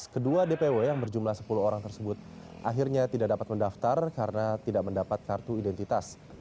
kedua dpw yang berjumlah sepuluh orang tersebut akhirnya tidak dapat mendaftar karena tidak mendapat kartu identitas